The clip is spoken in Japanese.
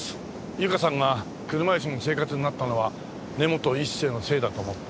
ゆかさんが車いすの生活になったのは根本一成のせいだと思った。